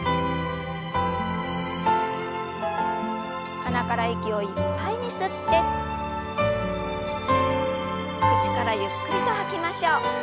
鼻から息をいっぱいに吸って口からゆっくりと吐きましょう。